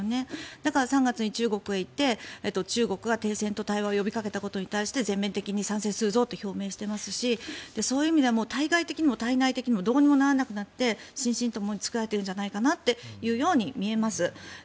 だから３月に中国へ行って中国が停戦と対話を呼びかけたことに対して全面的に賛成するぞと表明していますしそういう意味では対外的にも対内的にもどうにもならなくなって心身ともに疲れているように見えます。